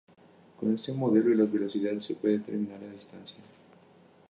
Con este modelo y las velocidades se puede determinar la distancia.